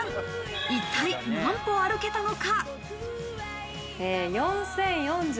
一体何歩歩けたのか？